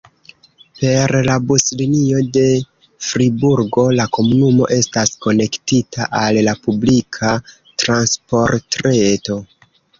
Per la buslinio de Friburgo la komunumo estas konektita al la publika transportreto.